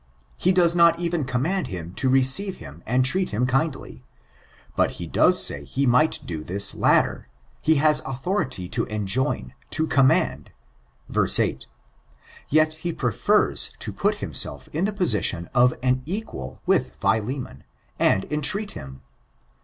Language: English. He does not even command him to receive him and treat him kindly. But he does say he might do this latter — ^he has authority to enjoin — to command ^ verse 8 : yet he prefers to put himself in the position of an equal with Philemon, and entreat him.